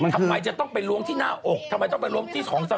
ทำไมจะต้องไปล้วงที่หน้าอกทำไมต้องไปล้มที่ของส